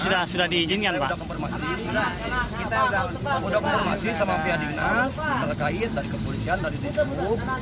kita sudah konfirmasi kita sudah konfirmasi sama pihak dinas dari kit dari kepolisian dari disubuk